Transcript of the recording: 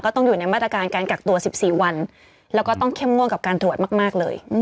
ต้องอยู่ในมาตรการการกักตัว๑๔วันแล้วก็ต้องเข้มงวดกับการตรวจมากเลย